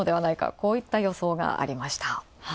こういった予想がありました。